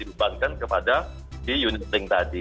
dibebankan kepada di unit link tadi